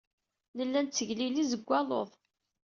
Nella nettegliliz deg waluḍ.